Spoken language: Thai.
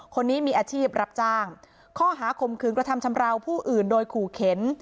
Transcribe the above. คนนี้มีอาชีพรับจ้างข้อหาข่มขืนกระทำชำราวผู้อื่นโดยขู่เข็น